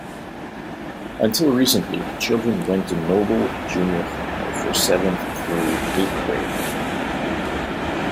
Until recently, children went to Noble Junior High for seventh through eighth grade.